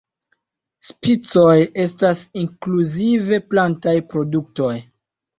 Spicoj estas ekskluzive plantaj produktoj.